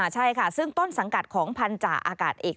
ใช่ค่ะซึ่งต้นสังกัดของพันธาอากาศเอก